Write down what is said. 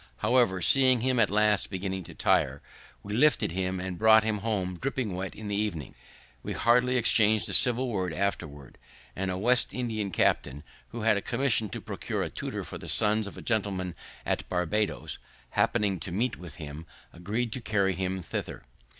However, seeing him at last beginning to tire, we lifted him in and brought him home dripping wet in the evening. We hardly exchang'd a civil word afterwards, and a West India captain, who had a commission to procure a tutor for the sons of a gentleman at Barbados, happening to meet with him, agreed to carry him thither.